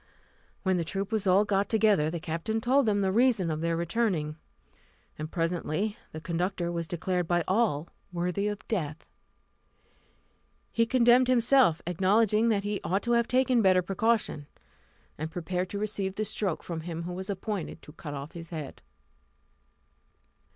When the troop was all got together, the captain told them the reason of their returning; and presently the conductor was declared by all worthy of death. He condemned himself, acknowledging that he ought to have taken better precaution, and prepared to receive the stroke from him who was appointed to cut off his head.